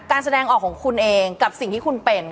แสดงออกของคุณเองกับสิ่งที่คุณเป็น